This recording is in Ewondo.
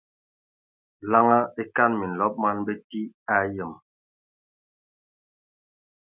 Laŋa e kan minlɔb man bəti a yəm.